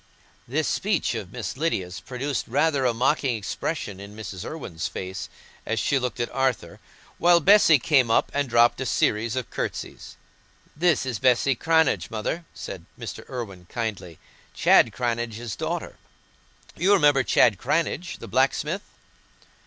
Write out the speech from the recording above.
This speech of Miss Lydia's produced rather a mocking expression in Mrs. Irwine's face as she looked at Arthur, while Bessy came up and dropped a series of curtsies. "This is Bessy Cranage, mother," said Mr. Irwine, kindly, "Chad Cranage's daughter. You remember Chad Cranage, the blacksmith?"